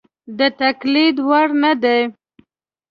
د تقلید وړ نه دي.